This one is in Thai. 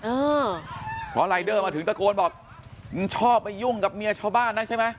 เออเพราะรายเดอร์มาถึงตะโกนบอกมึงชอบไปยุ่งกับเมียชาวบ้านนะใช่ไหม